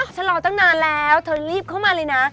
รอตั้งนานแล้วเธอรีบเข้ามาเลยนะ